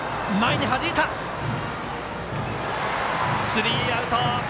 スリーアウト。